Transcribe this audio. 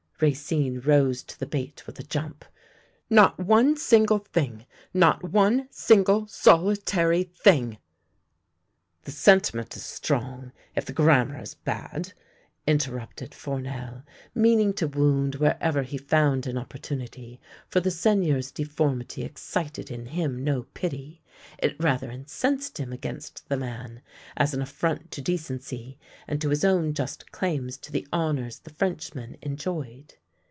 Racine rose to the bait with a jump. '' Not one single thing — not one single solitary thing !"" The sentiment is strong, if the grammar is bad," interrupted Fournel, meaning to wound wherever he found an opportunity, for the Seigneur's deformity ex cited in him no pity; it rather incensed him against the man, as an affront to decency and to his own just claims to the honours the Frenchman enjoyed.